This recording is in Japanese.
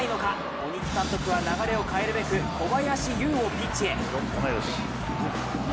鬼木監督は流れを変えるべく小林悠をピッチへ。